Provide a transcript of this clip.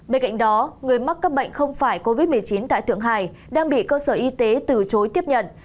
bên cạnh đó người mắc các bệnh không phải covid một mươi chín tại thượng hải đang bị cơ sở y tế từ chối tiếp nhận